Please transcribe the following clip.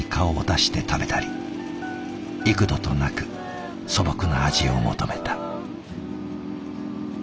幾度となく素朴な味を求めた。